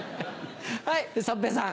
はい三平さん。